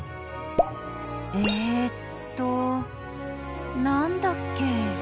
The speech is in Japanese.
えっとなんだっけ？